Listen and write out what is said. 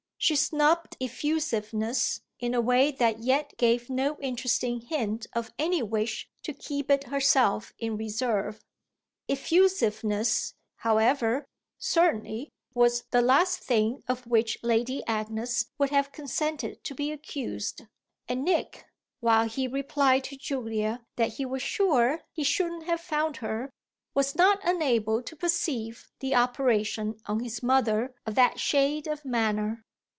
She snubbed effusiveness in a way that yet gave no interesting hint of any wish to keep it herself in reserve. Effusiveness, however, certainly, was the last thing of which Lady Agnes would have consented to be accused; and Nick, while he replied to Julia that he was sure he shouldn't have found her, was not unable to perceive the operation on his mother of that shade of manner.